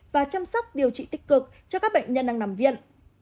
và chăm sóc điều trị tích cực cho các bệnh nhân đang nằm viện